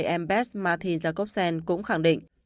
ambest martin jacobsen cũng khẳng định